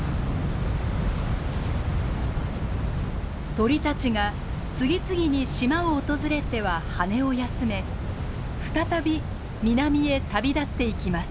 鳥たちが次々に島を訪れては羽を休め再び南へ旅立っていきます。